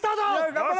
・頑張れ！